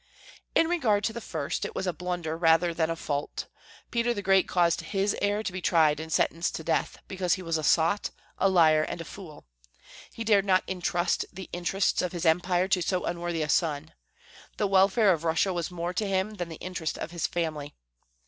In regard to the first, it was a blunder rather than a fault. Peter the Great caused his heir to be tried and sentenced to death, because he was a sot, a liar, and a fool. He dared not intrust the interests of his Empire to so unworthy a son; the welfare of Russia was more to him than the interest of his family.